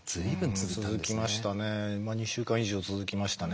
続きましたね。